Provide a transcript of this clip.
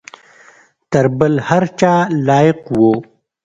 تر بل هر چا لایق وو.